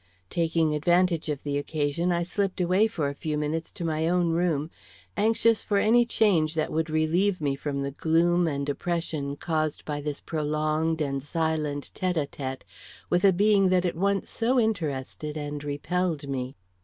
Taking advantage of the occasion, I slipped away for a few minutes to my own room, anxious for any change that would relieve me from the gloom and oppression caused by this prolonged and silent tete a tete with a being that at once so interested and repelled me.